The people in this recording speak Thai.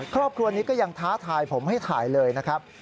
ครอบครัวนี้ก็ยังท้าทายผมให้ถ่ายเลยนะครับ